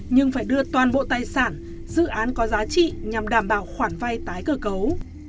nhưng phải đưa toàn bộ tài sản dự án có giá trị nhằm đảm bảo khoản vay tái cơ cấu